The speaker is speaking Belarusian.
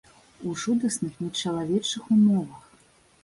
У жудасных нечалавечых умовах.